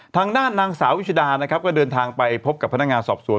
ทางด้านนางสาววิชดานะครับก็เดินทางไปพบกับพนักงานสอบสวน